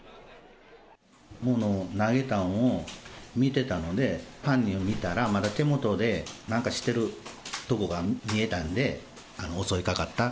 ものを投げたんを見てたので、犯人を見たら、まだ手元でなんかしてるとこが見えたんで、襲いかかった。